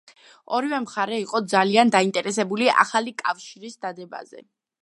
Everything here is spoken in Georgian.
ორივე მხარე იყო ძალიან დაინტერესებული ახალი კავშირის დადებაზე.